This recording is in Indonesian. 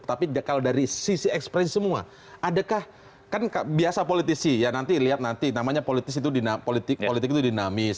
tapi kalau dari sisi ekspresi semua adakah kan biasa politisi ya nanti lihat nanti namanya politis itu politik itu dinamis